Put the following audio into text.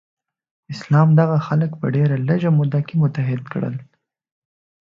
اسلام دغه خلک په ډیره لږه موده کې متحد کړل.